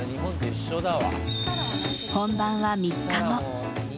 本番は３日後。